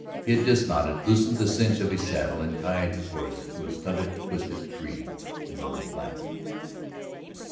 He had dismounted, loosened the cinch of his saddle and tied his horse to a stunted, twisted tree in a little flat.